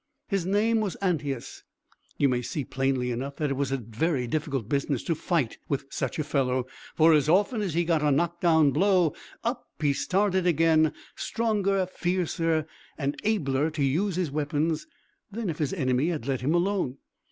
His name was Antæus. You may see, plainly enough, that it was a very difficult business to fight with such a fellow; for, as often as he got a knock down blow, up he started again, stronger, fiercer, and abler to use his weapons than if his enemy had let him alone.